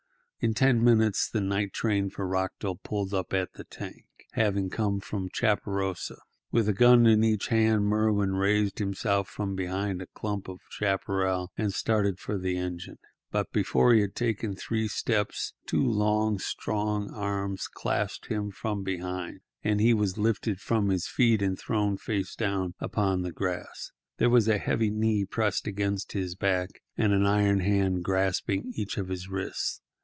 In ten minutes the night train for Rockdell pulled up at the tank, having come from Chaparosa. With a gun in each hand Merwin raised himself from behind a clump of chaparral and started for the engine. But before he had taken three steps, two long, strong arms clasped him from behind, and he was lifted from his feet and thrown, face downward upon the grass. There was a heavy knee pressing against his back, and an iron hand grasping each of his wrists.